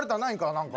何か。